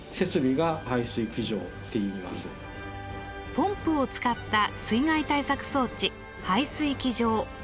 ポンプを使った水害対策装置「排水機場」。